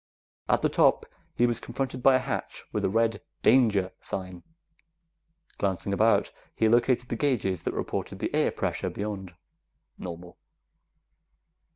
At the top, he was confronted by a hatch with a red danger sign. Glancing about, he located the gauges that reported the air pressure beyond. Normal.